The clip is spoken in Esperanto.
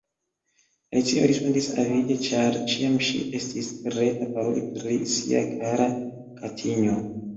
Alicio respondis avide, ĉar ĉiam ŝi estis preta paroli pri sia kara katinjo.